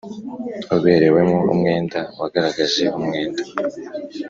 Uberewemo umwenda wagaragaje umwenda